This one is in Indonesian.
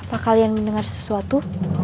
apa kalian mendengar sesuatu